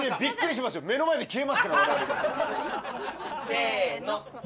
せの。